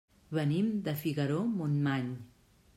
Venim de Figaró-Montmany.